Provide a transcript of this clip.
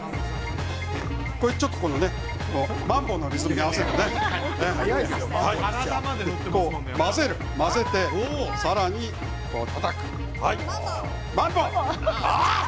ちょっとマンボのリズムに合わせるとね混ぜて混ぜてさらにたたく。